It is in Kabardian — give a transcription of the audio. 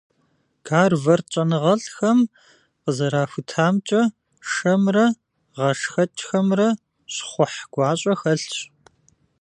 Гарвард щӀэныгъэлӀхэм къызэрахутамкӀэ, шэмрэ гъэшхэкӀхэмрэ щхъухь гуащӀэ хэлъщ.